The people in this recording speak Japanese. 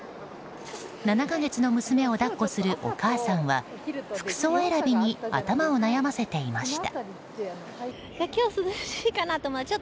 ７か月の娘を抱っこするお母さんは服装選びに頭を悩ませていました。